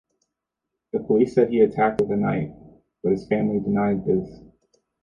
The police said he attacked with a knife, but his family denied this.